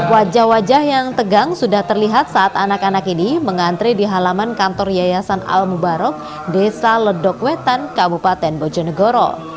wajah wajah yang tegang sudah terlihat saat anak anak ini mengantre di halaman kantor yayasan al mubarok desa ledokwetan kabupaten bojonegoro